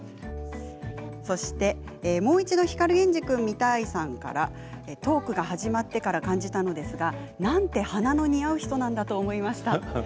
そして、もう一度光源氏くん見たいさんからトークが始まってから感じたのですがなんて花の似合う人なんだと思いました。